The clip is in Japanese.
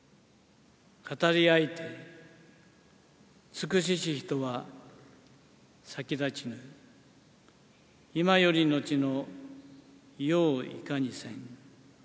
語りあいて、尽くしし人は、先立ちぬ、今より後の世をいかにせん。